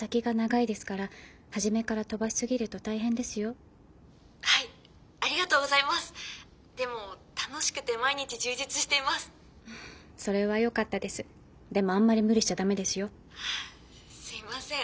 すいません。